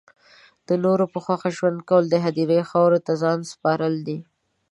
د نورو په خوښه ژوند کول د هدیرې خاورو ته ځان سپارل دی